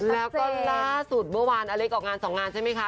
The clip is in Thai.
แล้วก็ล่าสุดเมื่อวานอเล็กออกงาน๒งานใช่ไหมคะ